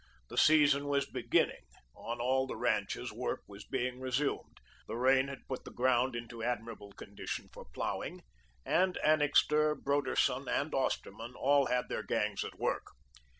The season was beginning; on all the ranches work was being resumed. The rain had put the ground into admirable condition for ploughing, and Annixter, Broderson, and Osterman all had their gangs at work.